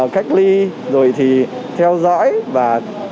cách ly rồi thì theo dõi và tiếp tục